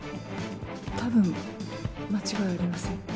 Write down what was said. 多分間違いありません